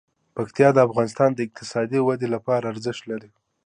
پکتیا د افغانستان د اقتصادي ودې لپاره ارزښت لري.